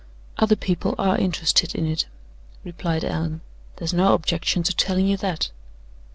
"Other people are interested in it," replied Allan. "There's no objection to telling you that."